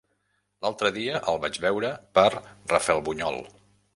L'altre dia el vaig veure per Rafelbunyol.